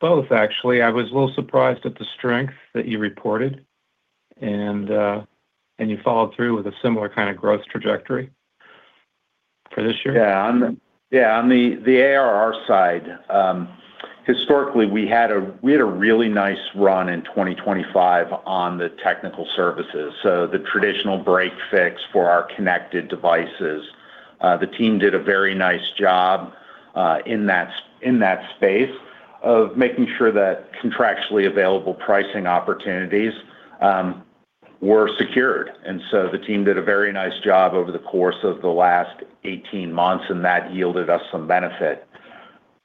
Both, actually. I was a little surprised at the strength that you reported, and you followed through with a similar kinda growth trajectory for this year. Yeah. On the ARR side, historically, we had a really nice run in 2025 on the technical services, so the traditional break fix for our connected devices. The team did a very nice job in that space of making sure that contractually available pricing opportunities were secured. And so the team did a very nice job over the course of the last 18 months, and that yielded us some benefit.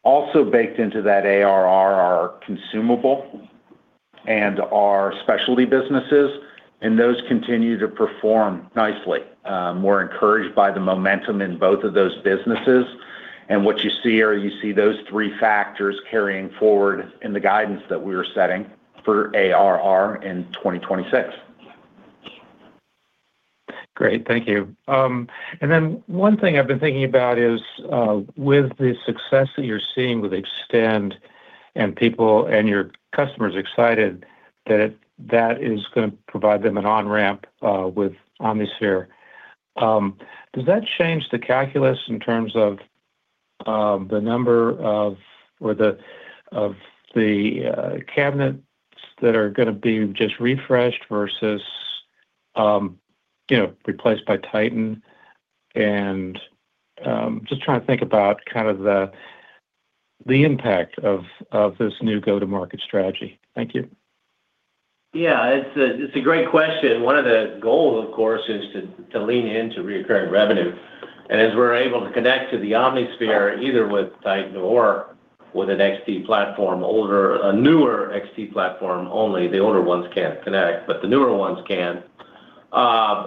Also baked into that ARR are consumable and our specialty businesses, and those continue to perform nicely. We're encouraged by the momentum in both of those businesses, and what you see are those three factors carrying forward in the guidance that we are setting for ARR in 2026. Great. Thank you. And then one thing I've been thinking about is, with the success that you're seeing with Extend and people, and your customers excited, that it- that is gonna provide them an on-ramp, with OmniSphere. Does that change the calculus in terms of, the number of, or the, of the, cabinets that are gonna be just refreshed versus, you know, replaced by Titan? And, just trying to think about kind of the, the impact of, of this new go-to-market strategy. Thank you. Yeah, it's a great question. One of the goals, of course, is to lean into recurring revenue. And as we're able to connect to the OmniSphere, either with Titan or with an XT platform, older. A newer XT platform, only the older ones can't connect, but the newer ones can.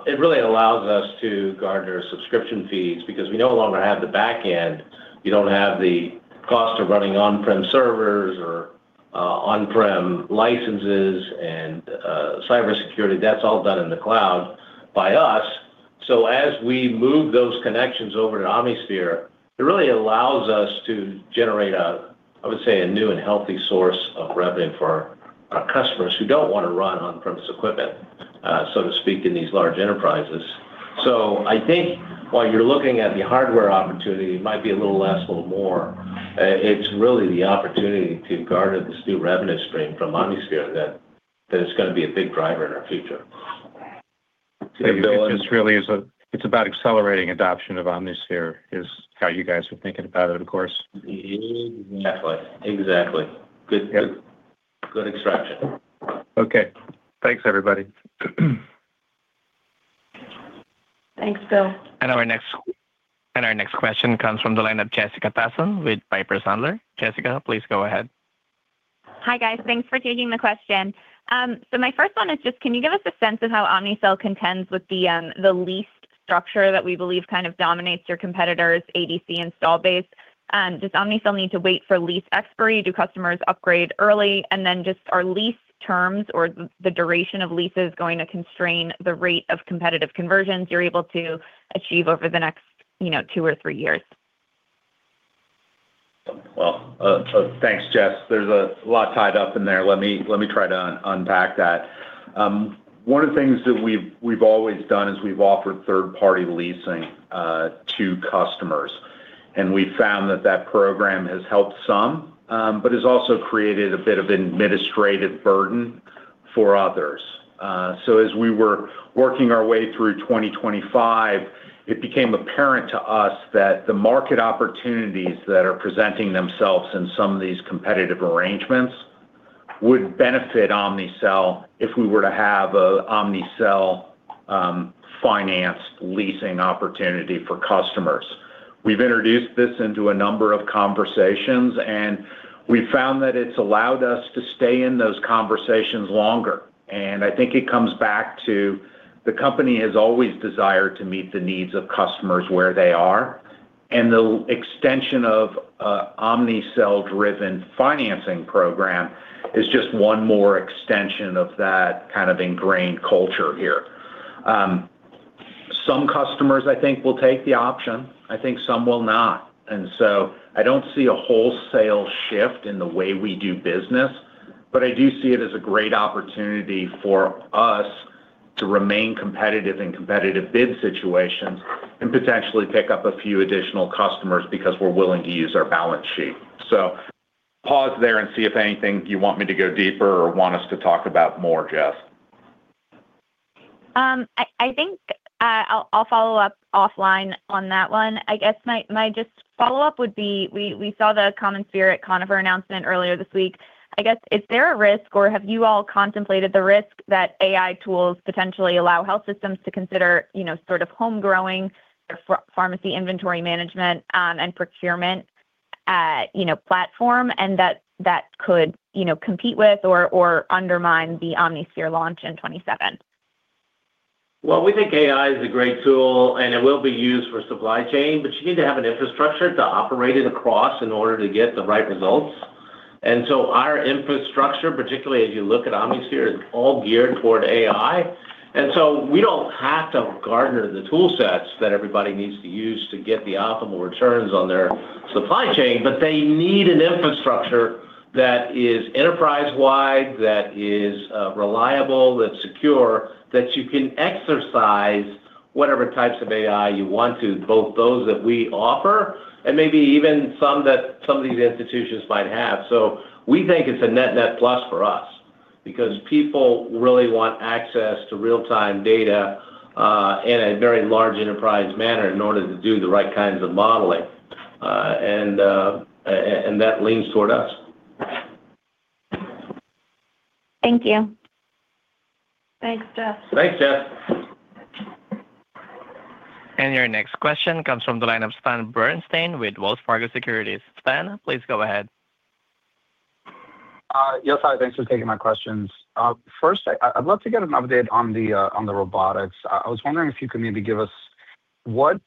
It really allows us to garner subscription fees because we no longer have the back end. We don't have the cost of running on-prem servers or on-prem licenses and, cybersecurity, that's all done in the cloud by us. So as we move those connections over to OmniSphere, it really allows us to generate a, I would say, a new and healthy source of revenue for our customers who don't want to run on-premise equipment, so to speak, in these large enterprises. So I think while you're looking at the hardware opportunity, it might be a little less, a little more. It's really the opportunity to garner this new revenue stream from OmniSphere that, that is going to be a big driver in our future. This really is. It's about accelerating adoption of OmniSphere, is how you guys are thinking about it, of course? Mm-hmm. Exactly. Exactly. Good, good, good extraction. Okay. Thanks, everybody. Thanks, Bill. Our next question comes from the line of Jessica Tassan with Piper Sandler. Jessica, please go ahead. Hi, guys. Thanks for taking the question. So my first one is just, can you give us a sense of how Omnicell contends with the lease structure that we believe kind of dominates your competitors' ADC install base? Does Omnicell need to wait for lease expiry, do customers upgrade early? And then just are lease terms or the duration of leases going to constrain the rate of competitive conversions you're able to achieve over the next, you know, two or three years? Well, thanks, Jess. There's a lot tied up in there. Let me try to unpack that. One of the things that we've always done is we've offered third-party leasing to customers, and we found that that program has helped some, but has also created a bit of administrative burden for others. So as we were working our way through 2025, it became apparent to us that the market opportunities that are presenting themselves in some of these competitive arrangements would benefit Omnicell if we were to have a Omnicell finance leasing opportunity for customers. We've introduced this into a number of conversations, and we found that it's allowed us to stay in those conversations longer, and I think it comes back to the company has always desired to meet the needs of customers where they are, and the extension of a Omnicell-driven financing program is just one more extension of that kind of ingrained culture here. Some customers, I think, will take the option, I think some will not. And so I don't see a wholesale shift in the way we do business, but I do see it as a great opportunity for us to remain competitive in competitive bid situations and potentially pick up a few additional customers because we're willing to use our balance sheet. So pause there and see if anything you want me to go deeper or want us to talk about more, Jess. I think I'll follow up offline on that one. I guess my just follow-up would be, we saw the CommonSpirit Conifer announcement earlier this week. I guess, is there a risk or have you all contemplated the risk that AI tools potentially allow health systems to consider, you know, sort of home-growing their pharmacy inventory management and procurement, you know, platform, and that could, you know, compete with or undermine the OmniSphere launch in 2027? Well, we think AI is a great tool, and it will be used for supply chain, but you need to have an infrastructure to operate it across in order to get the right results. And so our infrastructure, particularly as you look at OmniSphere, is all geared toward AI. And so we don't have to garner the tool sets that everybody needs to use to get the optimal returns on their supply chain, but they need an infrastructure that is enterprise-wide, that is, reliable, that's secure, that you can exercise whatever types of AI you want to, both those that we offer and maybe even some that some of these institutions might have. So we think it's a net, net plus for us because people really want access to real-time data, in a very large enterprise manner in order to do the right kinds of modeling. And that leans toward us. Thank you. Thanks, Jess. Thanks, Jess. Your next question comes from the line of Stan Berenshteyn with Wells Fargo Securities. Stan, please go ahead. Yes, hi. Thanks for taking my questions. First, I, I'd love to get an update on the robotics. I was wondering if you could maybe give us what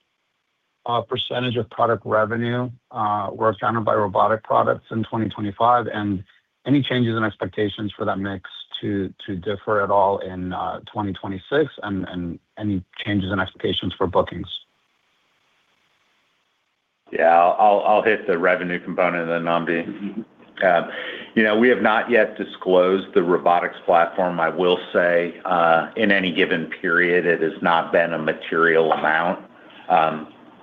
percentage of product revenue were accounted by robotic products in 2025, and any changes in expectations for that mix to differ at all in 2026, and any changes in expectations for bookings? Yeah, I'll, I'll hit the revenue component and then, Nnamdi. You know, we have not yet disclosed the robotics platform. I will say, in any given period, it has not been a material amount.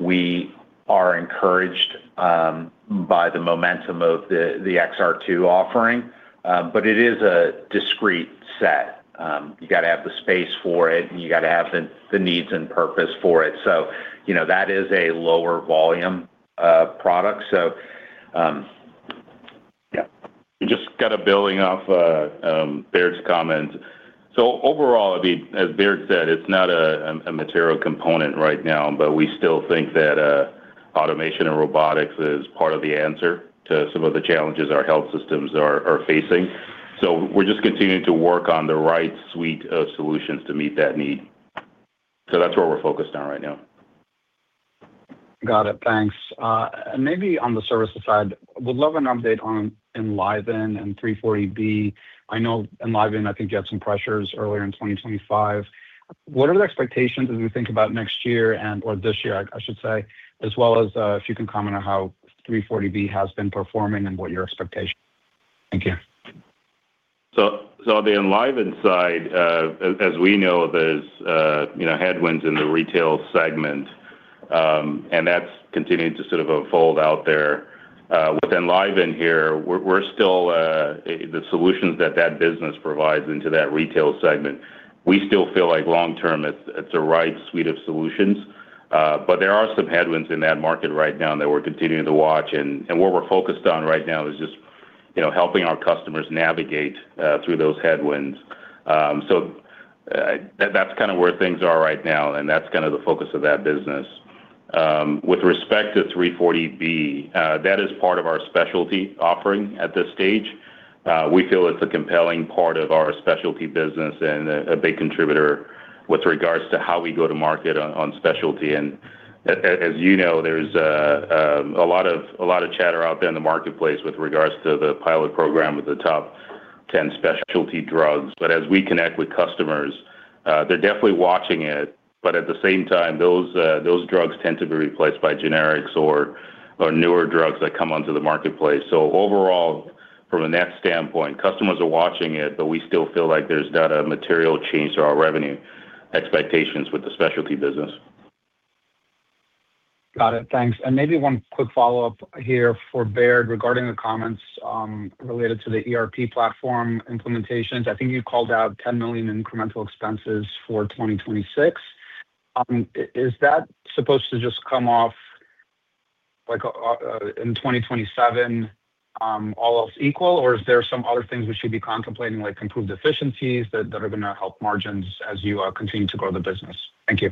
We are encouraged by the momentum of the XR2 offering, but it is a discrete set. You got to have the space for it, and you got to have the needs and purpose for it. So, you know, that is a lower volume product. So, yeah. Just kind of building off Baird's comments. So overall, I mean, as Baird said, it's not a material component right now, but we still think that automation and robotics is part of the answer to some of the challenges our health systems are facing. So we're just continuing to work on the right suite of solutions to meet that need. So that's where we're focused on right now. Got it. Thanks. And maybe on the services side, would love an update on Enliven and 340B. I know Enliven, I think, had some pressures earlier in 2025. What are the expectations as we think about next year and, or this year, I should say, as well as, if you can comment on how 340B has been performing and what your expectations? Thank you. So, the Enliven side, as we know, there's you know, headwinds in the retail segment, and that's continuing to sort of unfold out there. With Enliven here, we're still the solutions that the business provides into that retail segment, we still feel like long-term, it's a right suite of solutions. But there are some headwinds in that market right now that we're continuing to watch, and what we're focused on right now is just you know, helping our customers navigate through those headwinds. So, that's kind of where things are right now, and that's kind of the focus of that business. With respect to 340B, that is part of our specialty offering at this stage. We feel it's a compelling part of our specialty business and a big contributor with regards to how we go to market on specialty. And as you know, there's a lot of chatter out there in the marketplace with regards to the pilot program with the top ten specialty drugs. But as we connect with customers, they're definitely watching it, but at the same time, those drugs tend to be replaced by generics or newer drugs that come onto the marketplace. So overall, from a net standpoint, customers are watching it, but we still feel like there's not a material change to our revenue expectations with the specialty business. Got it. Thanks. And maybe one quick follow-up here for Baird, regarding the comments related to the ERP platform implementations. I think you called out $10 million incremental expenses for 2026. Is that supposed to just come off, like, in 2027, all else equal, or is there some other things we should be contemplating, like improved efficiencies that are gonna help margins as you continue to grow the business? Thank you.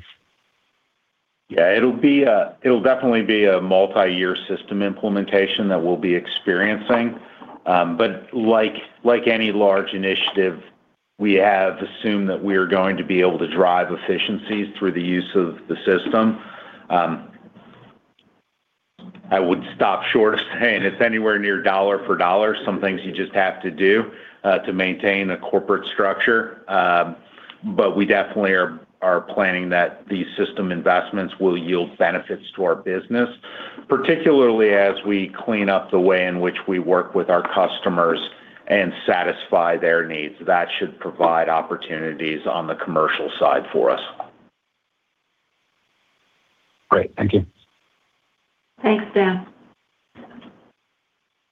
Yeah, it'll definitely be a multi-year system implementation that we'll be experiencing. But like any large initiative, we have assumed that we're going to be able to drive efficiencies through the use of the system. I would stop short of saying it's anywhere near dollar for dollar. Some things you just have to do to maintain a corporate structure. But we definitely are planning that these system investments will yield benefits to our business, particularly as we clean up the way in which we work with our customers and satisfy their needs. That should provide opportunities on the commercial side for us. Great. Thank you. Thanks, Dan.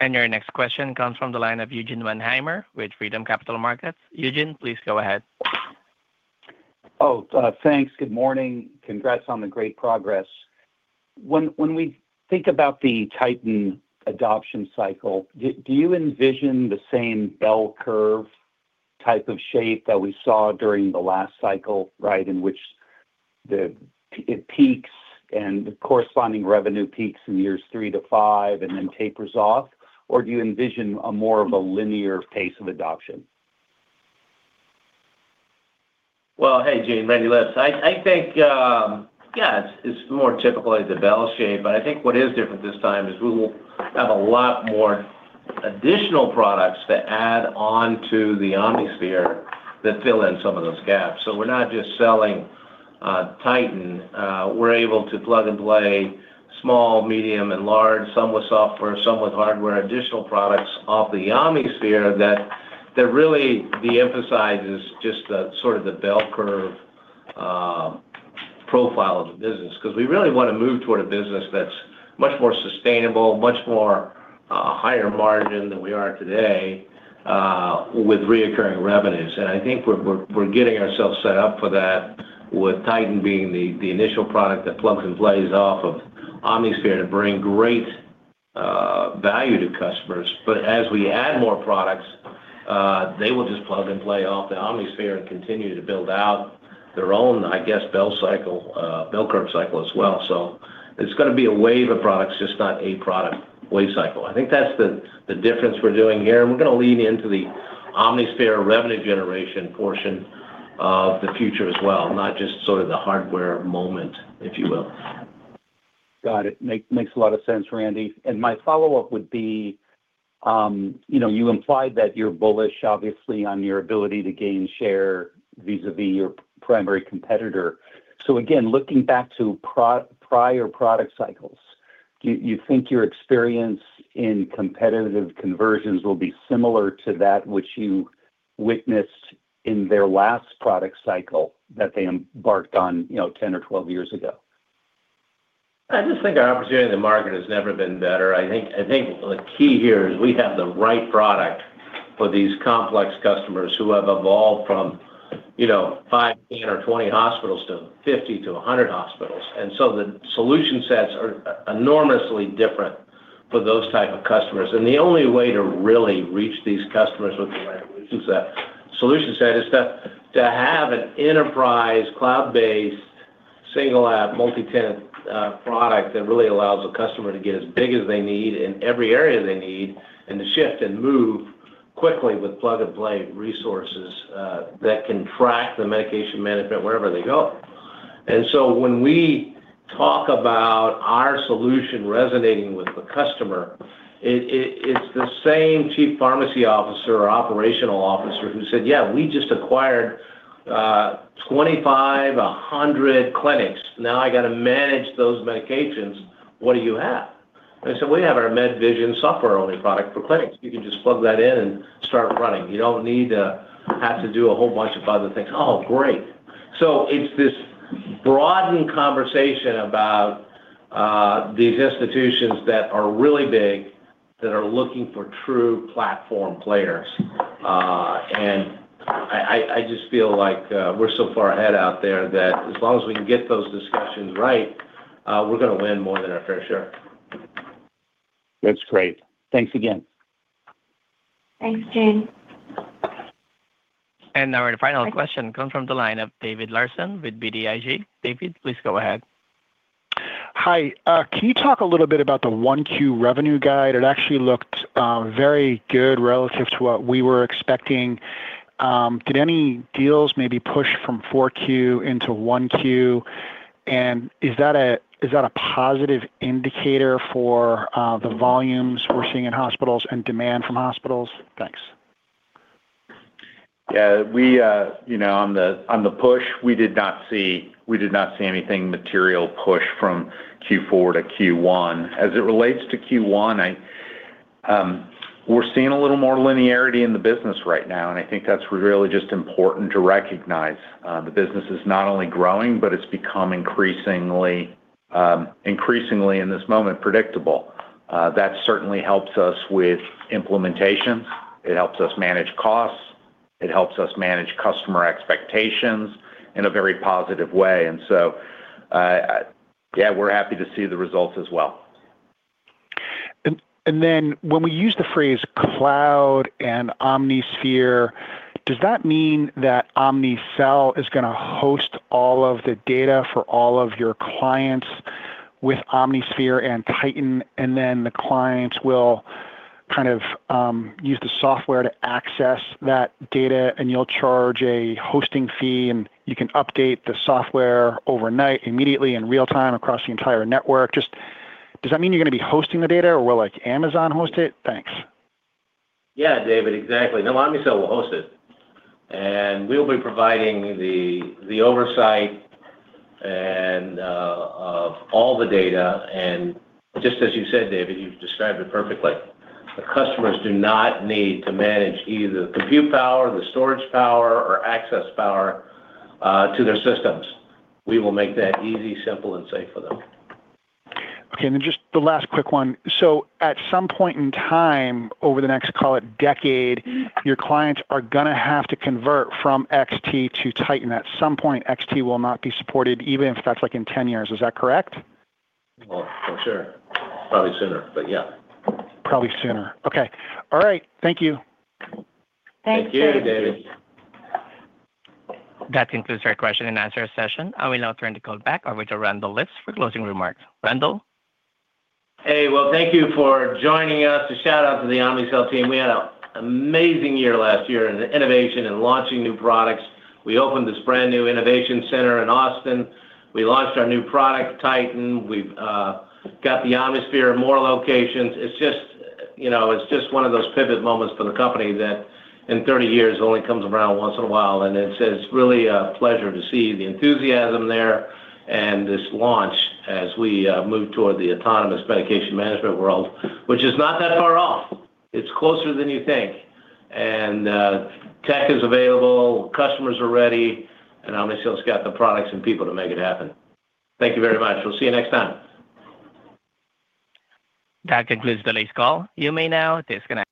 Your next question comes from the line of Eugene Mannheimer with Freedom Capital Markets. Eugene, please go ahead. Oh, thanks. Good morning. Congrats on the great progress. When we think about the Titan adoption cycle, do you envision the same bell curve type of shape that we saw during the last cycle, right, in which it peaks and the corresponding revenue peaks in years 3-5 and then tapers off? Or do you envision a more of a linear pace of adoption? Well, hey, Gene, Randy Lipps. I think, yeah, it's more typically the bell shape, but I think what is different this time is we will have a lot more additional products to add on to the OmniSphere that fill in some of those gaps. So we're not just selling Titan. We're able to plug and play small, medium, and large, some with software, some with hardware, additional products off the OmniSphere that really de-emphasizes just the sort of the bell curve profile of the business. Because we really want to move toward a business that's much more sustainable, much more higher margin than we are today with recurring revenues. And I think we're getting ourselves set up for that with Titan being the initial product that plugs and plays off of OmniSphere to bring great value to customers. But as we add more products, they will just plug and play off the OmniSphere and continue to build out their own, I guess, bell cycle, bell curve cycle as well. So it's gonna be a wave of products, just not a product wave cycle. I think that's the difference we're doing here, and we're gonna lean into the OmniSphere revenue generation portion of the future as well, not just sort of the hardware moment, if you will. Got it. Makes a lot of sense, Randy. My follow-up would be, you know, you implied that you're bullish, obviously, on your ability to gain share vis-a-vis your primary competitor. Again, looking back to prior product cycles, do you think your experience in competitive conversions will be similar to that which you witnessed in their last product cycle that they embarked on, you know, 10 or 12 years ago? I just think our opportunity in the market has never been better. I think the key here is we have the right product for these complex customers who have evolved from, you know, 5, 10, or 20 hospitals to 50 to 100 hospitals. And so the solution sets are enormously different for those type of customers. And the only way to really reach these customers with the right solution set, solution set, is to have an enterprise, cloud-based, single app, multi-tenant product that really allows the customer to get as big as they need in every area they need, and to shift and quickly with plug-and-play resources that can track the medication management wherever they go. And so when we talk about our solution resonating with the customer, it's the same chief pharmacy officer or operational officer who said: "Yeah, we just acquired 25, 100 clinics. Now I gotta manage those medications. What do you have?" I said, "We have our MedVision software-only product for clinics. You can just plug that in and start running. You don't need to have to do a whole bunch of other things." "Oh, great!" So it's this broadened conversation about these institutions that are really big, that are looking for true platform players. And I just feel like we're so far ahead out there that as long as we can get those discussions right, we're gonna win more than our fair share. That's great. Thanks again. Thanks, Gene. Now our final question comes from the line of David Larsen with BTIG. David, please go ahead. Hi. Can you talk a little bit about the 1Q revenue guide? It actually looked very good relative to what we were expecting. Did any deals maybe push from 4Q into 1Q? And is that a positive indicator for the volumes we're seeing in hospitals and demand from hospitals? Thanks. Yeah, we, you know, on the, on the push, we did not see, we did not see anything material push from Q4 to Q1. As it relates to Q1, I... We're seeing a little more linearity in the business right now, and I think that's really just important to recognize. The business is not only growing, but it's become increasingly, increasingly in this moment, predictable. That certainly helps us with implementations, it helps us manage costs, it helps us manage customer expectations in a very positive way. And so, yeah, we're happy to see the results as well. And then when we use the phrase cloud and OmniSphere, does that mean that Omnicell is gonna host all of the data for all of your clients with OmniSphere and Titan, and then the clients will kind of use the software to access that data, and you'll charge a hosting fee, and you can update the software overnight, immediately, in real time, across the entire network? Just, does that mean you're gonna be hosting the data, or will, like, Amazon host it? Thanks. Yeah, David, exactly. No, Omnicell will host it. We'll be providing the oversight and of all the data, and just as you said, David, you've described it perfectly. The customers do not need to manage either the compute power, the storage power, or access power to their systems. We will make that easy, simple, and safe for them. Okay, and then just the last quick one. So at some point in time over the next, call it decade, your clients are gonna have to convert from XT to Titan. At some point, XT will not be supported, even if that's, like, in 10 years. Is that correct? Well, for sure. Probably sooner, but yeah. Probably sooner. Okay. All right, thank you. Thanks, David. Thank you, David. That concludes our question and answer session. I will now turn the call back over to Randall Lipps for closing remarks. Randall? Hey, well, thank you for joining us. A shout-out to the Omnicell team. We had an amazing year last year in innovation and launching new products. We opened this brand-new innovation center in Austin. We launched our new product, Titan. We've got the OmniSphere in more locations. It's just, you know, it's just one of those pivot moments for the company that in 30 years only comes around once in a while. And it's really a pleasure to see the enthusiasm there and this launch as we move toward the autonomous medication management world, which is not that far off. It's closer than you think. And tech is available, customers are ready, and Omnicell's got the products and people to make it happen. Thank you very much. We'll see you next time. That concludes today's call. You may now disconnect.